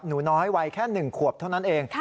หนูน้อยวัยแค่๑ขวบเท่านั้นเอง